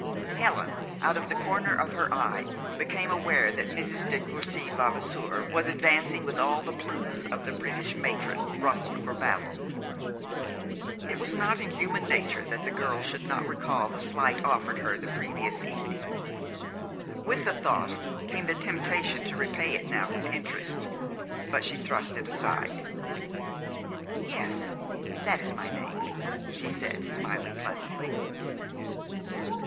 Helen, out of the corner of her eye, became aware that Mrs. de Courcy Vavasour was advancing with all the plumes of the British matron ruffled for battle. It was not in human nature that the girl should not recall the slight offered her the previous evening. With the thought came the temptation to repay it now with interest; but she thrust it aside. "Yes, that is my name," she said, smiling pleasantly.